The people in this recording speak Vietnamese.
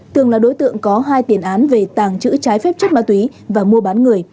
tường là đối tượng có hai tiền án về tàng trữ trái phép chất ma túy và mua bán người